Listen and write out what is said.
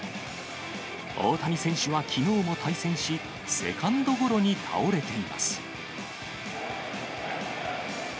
大谷選手はきのうも対戦し、セカンドゴロに倒れています。